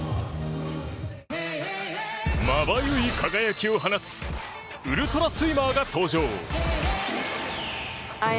まばゆい輝きを放つウルトラスイマーが登場。